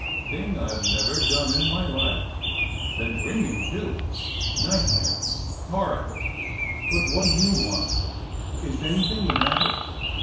Thing I've never done in my life. Been dreaming, too. Nightmares — horrible ! But what do you want? Is anything the matter?